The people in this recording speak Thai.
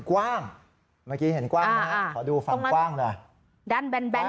กว้างเมื่อกี้เห็นกว้างนะฮะขอดูฟังกว้างด้านแบนแบน